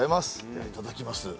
ではいただきます。